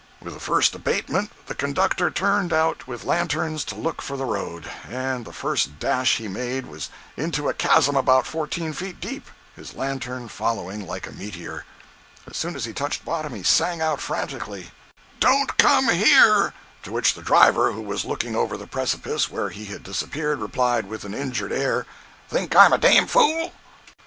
With the first abatement the conductor turned out with lanterns to look for the road, and the first dash he made was into a chasm about fourteen feet deep, his lantern following like a meteor. As soon as he touched bottom he sang out frantically: 104.jpg (30K) "Don't come here!" To which the driver, who was looking over the precipice where he had disappeared, replied, with an injured air: "Think I'm a dam fool?"